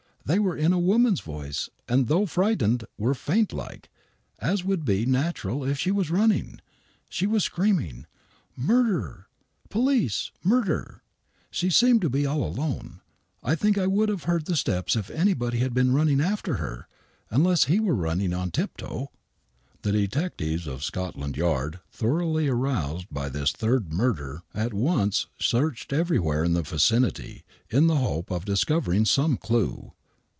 They were in a woman's voice,, and though frightened, were faintlike, as would be natural if she was running. She was screaming, * Murder I Police I Murder !' She seemed to be all alone. I think I would have heard the steps if anybody had been running after her, unless he were running on tip toe." The detectives of Scotland Yard, thoroughly aroused by this third murder, at once searched everywhere in the vicinity, in the hope of discovering some clue.